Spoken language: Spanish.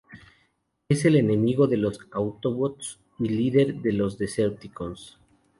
Él es el enemigo de los Autobots y el líder de los Decepticons.